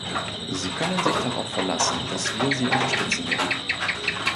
Sie können sich darauf verlassen, dass wir Sie unterstützen werden.